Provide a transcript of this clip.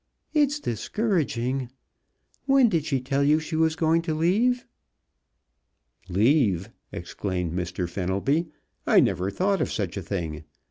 It's discouraging! When did she tell you she was going to leave?" "Leave?" exclaimed Mr. Fenelby. "I never thought of such a thing.